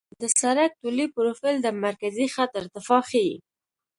د سړک طولي پروفیل د مرکزي خط ارتفاع ښيي